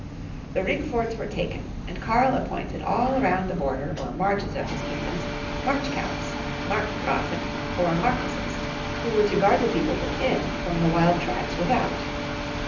The ringforts were taken, and Karl appointed all around the border or marches of his kingdoms March counts, Mark grafen, or Mar quesses, who were to guard the people within from the wild tribes without.